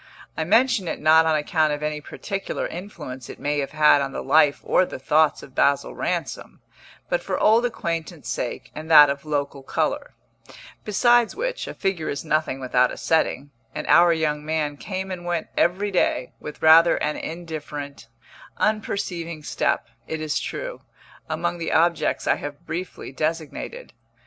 I mention it not on account of any particular influence it may have had on the life or the thoughts of Basil Ransom, but for old acquaintance sake and that of local colour; besides which, a figure is nothing without a setting, and our young man came and went every day, with rather an indifferent, unperceiving step, it is true, among the objects I have briefly designated.